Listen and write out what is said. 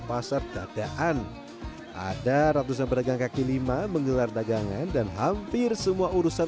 pasar dadaan ada ratusan pedagang kaki lima menggelar dagangan dan hampir semua urusan